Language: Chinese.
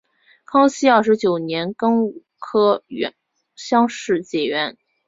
康熙二十九年庚午科乡试解元。